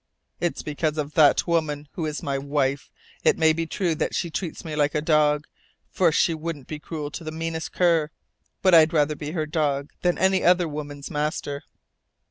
"It's because of 'that woman' who is my wife. It may be true that she treats me like a dog, for she wouldn't be cruel to the meanest cur. But I'd rather be her dog than any other woman's master.